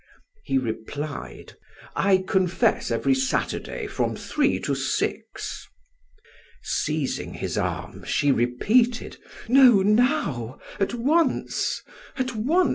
He replied: "I confess every Saturday from three to six." Seizing his arm she repeated: "No, now, at once at once!